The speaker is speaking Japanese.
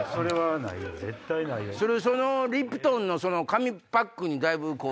そのリプトンの紙パックにだいぶ。